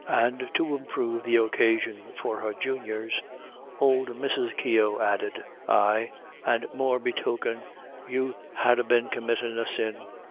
And to improve the occasion for her juniors, old Mrs. Keogh added, "Aye, and morebetoken you'd ha' been committin' a sin."